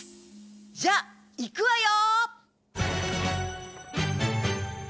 じゃあいくわよ！